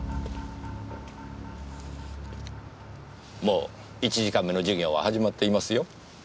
もう１時間目の授業は始まっていますよ。